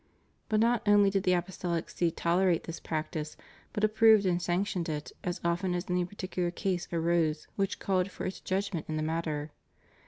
But not only did the Apostolic See tolerate this practice, but approved and sanctioned it as often as any particular case arose which called for its judgm ent in the matter.